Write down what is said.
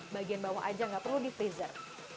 bagian bawah aja nggak perlu di freezer